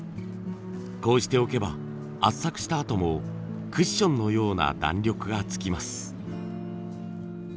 こうしておけば圧搾したあともクッションのような弾力が付きます。